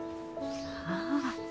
ああ。